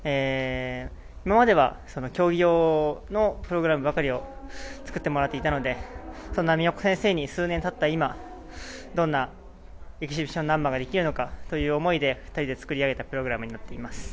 今までは競技用のプログラムばかりを作ってもらっていたのでそんな美穂子先生に数年たった今どんなエキシビションナンバーができるのかという思いで２人で作り上げたプログラムになっています。